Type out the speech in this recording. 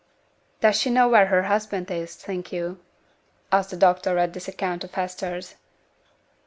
'Does she know where her husband is, think you?' asked the doctor at this account of Hester's.